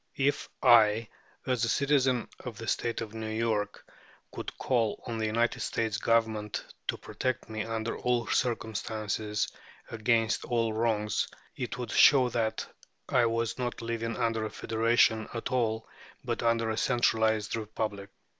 If I, as a citizen of the State of New York, could call on the United States Government to protect me under all circumstances and against all wrongs, it would show that I was not living under a federation at all, but under a centralized republic.